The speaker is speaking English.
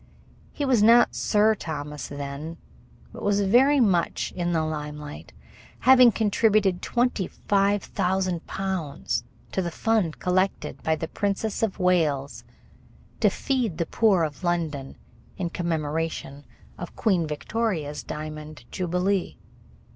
He was not Sir Thomas then, but was very much in the limelight, having contributed twenty five thousand pounds to the fund collected by the Princess of Wales to feed the poor of London in commemoration of Queen Victoria's Diamond Jubilee.